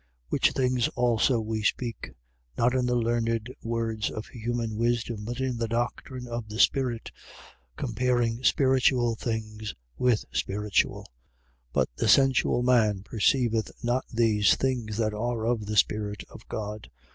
2:13. Which things also we speak: not in the learned words of human wisdom, but in the doctrine of the Spirit, comparing spiritual things with spiritual. 2:14. But the sensual man perceiveth not these things that are of the Spirit of God.